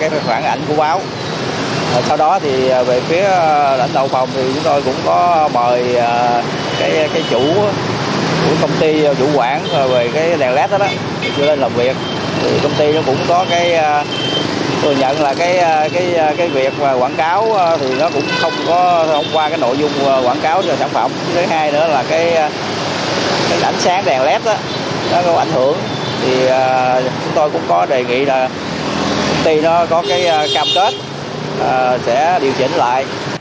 cái ảnh sáng đèn led đó nó có ảnh hưởng thì chúng tôi cũng có đề nghị là công ty nó có cái cam kết sẽ điều chỉnh lại